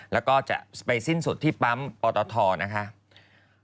แล้วก็จะไปสิ้นสุดที่ปั๊มปอตทนะคะ